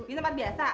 di tempat biasa